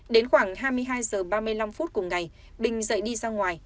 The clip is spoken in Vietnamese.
đến khoảng hai mươi hai h ba mươi năm phút cùng ngày bình dậy đi ra ngoài